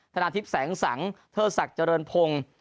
นาทิพย์แสงสังเทิดศักดิ์เจริญพงศ์